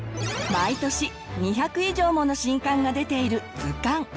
毎年２００以上もの新刊が出ている図鑑。